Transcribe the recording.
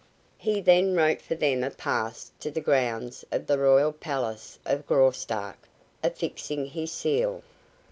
He then wrote for them a pass to the grounds of the royal palace of Graustark, affixing his seal.